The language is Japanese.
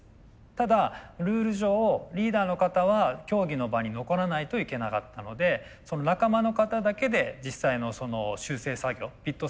ただルール上リーダーの方は競技の場に残らないといけなかったので仲間の方だけで実際の修正作業ピット作業を任せたと。